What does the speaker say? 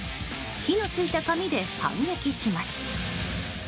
火のついた紙で反撃します。